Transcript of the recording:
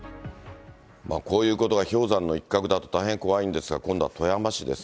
こういうことが氷山の一角だと大変怖いんですが、今度は富山市です。